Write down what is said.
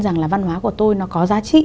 rằng là văn hóa của tôi nó có giá trị